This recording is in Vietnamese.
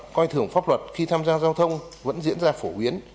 coi thường pháp luật khi tham gia giao thông vẫn diễn ra phổ biến